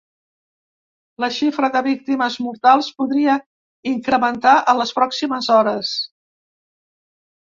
La xifra de víctimes mortals podria incrementar en les pròximes hores.